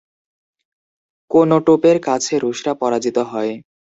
কোনোটোপের কাছে রুশরা পরাজিত হয়।